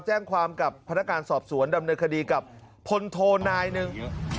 แจ้งความกับพนักงานสอบสวนดำเนินคดีกับพลโทนายหนึ่ง